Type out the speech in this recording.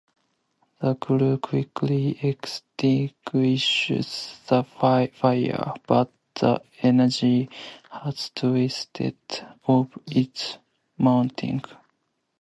The crew quickly extinguishes the fire, but the engine has twisted off its mounting.